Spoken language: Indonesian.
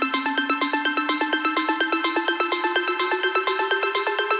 tidak ada yang bisa dianggap